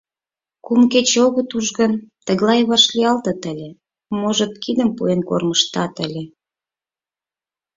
Кум кече огыт уж гын, тыглай вашлиялтыт ыле, можыт, кидым пуэн кормыжтат ыле.